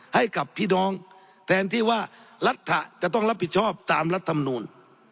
ให้กับพี่น้องแทนที่ว่ารัฐจะต้องรับผิดชอบตามรัฐมนูล